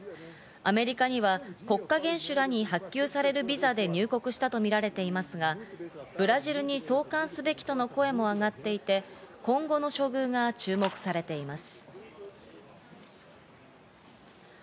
アメリカには国家元首らに発給されるビザで入国したとみられていますが、ブラジルに送還すべきとの声も上がっていて、今後の処遇が注目されています。